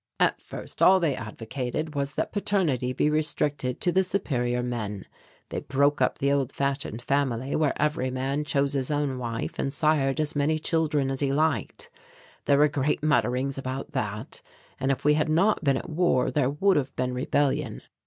"At first all they advocated was that paternity be restricted to the superior men. This broke up the old fashioned family where every man chose his own wife and sired as many children as he liked. There were great mutterings about that, and if we had not been at war, there would have been rebellion.